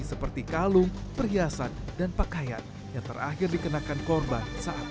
seperti kalung perhiasan dan pakaian yang terakhir dikenakan korban saat